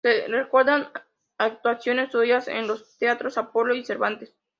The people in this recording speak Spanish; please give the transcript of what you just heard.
Se recuerdan actuaciones suyas en los teatros Apolo y Cervantes.